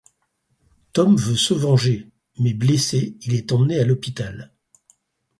Tom veut se venger, mais blessé, il est emmené à l'hôpital.